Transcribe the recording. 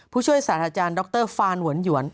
ผู้ช่วยสาธาจารย์ดรฟานหวนหยวน